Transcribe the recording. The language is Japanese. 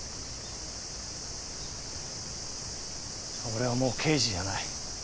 俺はもう刑事じゃない。